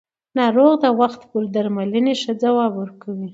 ناروغ د وخت پر درملنې ښه ځواب ورکوي